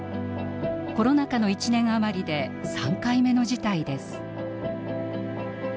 コロナ禍の１年余りで３回目の事態です。